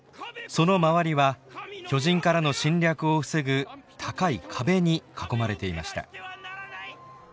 その周りは巨人からの侵略を防ぐ高い壁に囲まれていました。